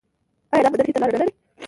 آیا دا بندر هند ته لاره نلري؟